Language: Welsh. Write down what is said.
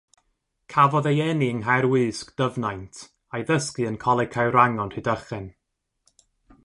Cafodd ei eni yng Nghaerwysg, Dyfnaint a'i ddysgu yn Coleg Caerwrangon, Rhydychen.